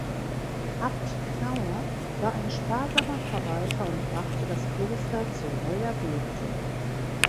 Abt Knauer war ein sparsamer Verwalter und brachte das Kloster zu neuer Blüte.